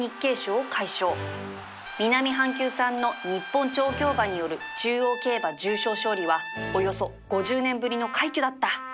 南半球産の日本調教馬による中央競馬重賞勝利はおよそ５０年ぶりの快挙だった